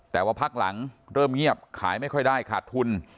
แต่ว่าพักหลังเริ่มเงียบขายไม่ค่อยได้ขาดทุน